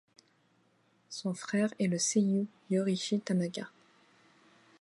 Son frère est le seiyū Ryōichi Tanaka.